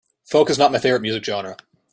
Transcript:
Folk is not my favorite music genre.